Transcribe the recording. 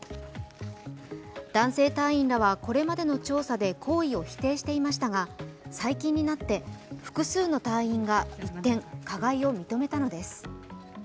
男性隊員らはこれまでの調査で行為を否定していましたが最近になって、複数の隊員が一転加害を認めたのです。